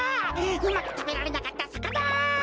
うまくたべられなかったさかな！